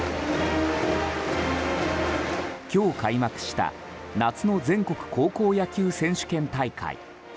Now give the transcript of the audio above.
今日開幕した夏の全国高校野球選手権大会。